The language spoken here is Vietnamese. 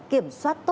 kiểm soát tốt hơn